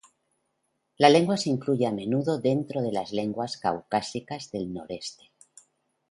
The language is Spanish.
La lengua se incluye a menudo dentro de las lenguas caucásicas del noreste.